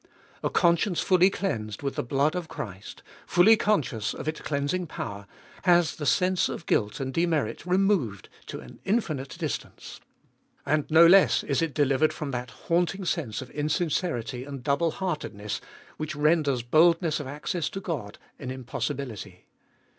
A conscience fully cleansed with the blood of Christ, fully conscious of its cleansing power, has the sense of guilt and demerit removed to an infinite distance. And no less is it delivered from that haunting sense of insincerity and double heartedness, which renders boldness of access to God an impossibility.